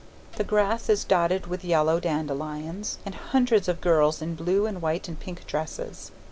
The grass is dotted with yellow dandelions and hundreds of girls in blue and white and pink dresses.